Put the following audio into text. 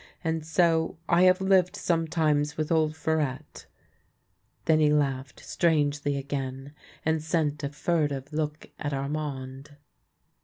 And so I have lived sometimes with old Farette." Then he laughed strangely again, and sent a furtive look at Armand.